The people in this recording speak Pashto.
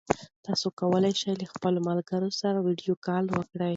تاسي کولای شئ له خپلو ملګرو سره ویډیو کال وکړئ.